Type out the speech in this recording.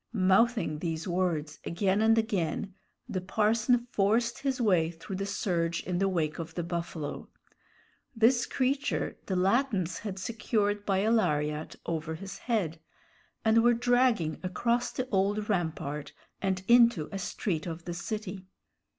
Mouthing these words again and again, the parson forced his way through the surge in the wake of the buffalo. This creature the Latins had secured by a lariat over his head, and were dragging across the old rampart and into a street of the city.